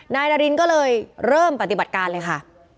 นายนารินก็เลยเริ่มปฏิบัติการเลยค่ะ